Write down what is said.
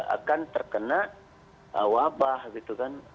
akan terkena wabah gitu kan